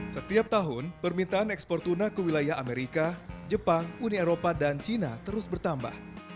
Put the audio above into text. setiap tahun permintaan ekspor tuna ke wilayah amerika jepang uni eropa dan cina terus bertambah